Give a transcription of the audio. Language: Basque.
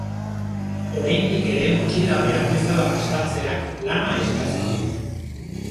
Oraindik ere motxila behar bezala prestatzeak lana eskatzen dit.